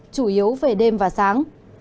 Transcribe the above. chủ yếu về đêm và sáng